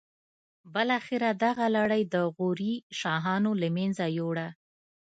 بالاخره دغه لړۍ د غوري شاهانو له منځه یوړه.